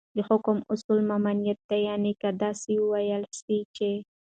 دحكم اصل ، ممانعت دى يعني كه داسي وويل سي چې